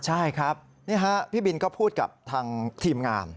ใช่ครับนี่ฮะพี่บินก็พูดกับทางทีมงาน